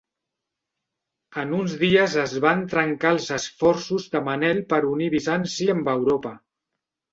En uns dies es van trencar els esforços de Manel per unir Bizanci amb Europa.